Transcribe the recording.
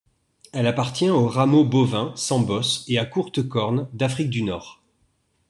Elle appartient au rameau bovin sans bosse et à courtes cornes d'Afrique du nord.